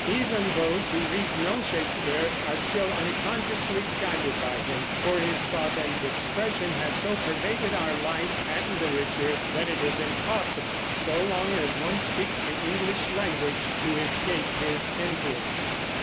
Even those who read no Shakespeare are still unconsciously guided by him, for his thought and expression have so pervaded our life and literature that it is impossible, so long as one speaks the English language, to escape his influence.